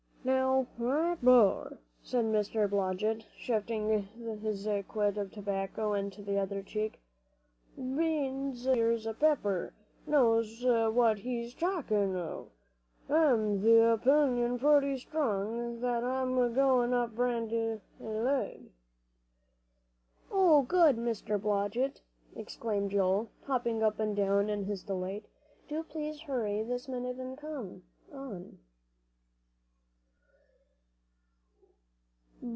"Now that boy," said Mr. Blodgett, shifting his quid of tobacco into the other cheek, "bein's he's a Pepper, knows what he's a talkin' of. I'm of th' opinion pretty strong that I'm a goin' up Bandy Leg." "Oh, good! Mr. Blodgett," exclaimed Joel, hopping up and down in his delight. "Do please hurry this minute and come on."